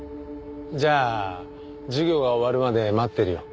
じゃあ授業が終わるまで待ってるよ。